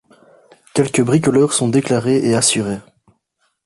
Quelques bricoleurs sont déclarés et assurés.